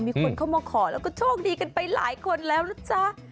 มีคนเข้ามาขอแล้วก็โชคดีกันไปหลายคนแล้วนะจ๊ะ